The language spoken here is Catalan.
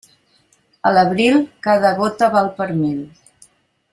A l'abril, cada gota val per mil.